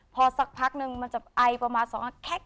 พอสักพักหนึ่งมันจะไอประมาณ๒นาที